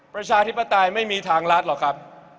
ประชาธิปไตยไม่มีทางรัฐหรอกครับ